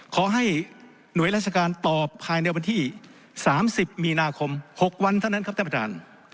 ขอให้หน่วยราชการตอบภายในวันที่๓๐มีนาคม๖วันเท่านั้นครับท่านประธาน